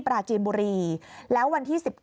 ปราจีนบุรีแล้ววันที่๑๙